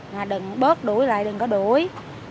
mà đừng bớt đuổi lại đừng có đuổi